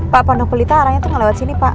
pak pondok pelita aranya tuh gak lewat sini pak